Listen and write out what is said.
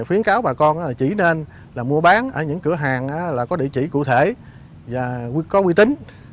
khuyến cáo bà con chỉ nên mua bán ở những cửa hàng là có địa chỉ cụ thể và có quy tính